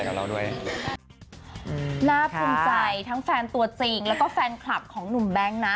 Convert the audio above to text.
ตัวจริงแล้วก็แฟนคลับของหนุ่มแบงค์นะ